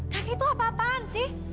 kaki itu apa apaan sih